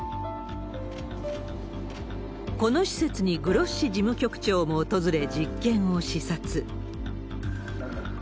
この施設にグロッシ事務局長も訪れ、実験を視察。